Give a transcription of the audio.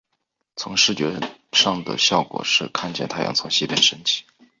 在视觉上的效果是看见太阳从西边升起。